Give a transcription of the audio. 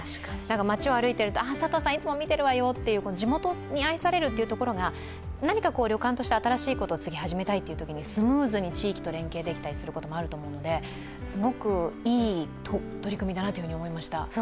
街を歩いていると、佐藤さん、いつも見てるわよと、地元に愛されるっていうところが何か旅館として新しいことを次に始めたいというときに、スムーズに地域と連携できたりすることもあると思うので、すごくいい取り組みだなと思いました。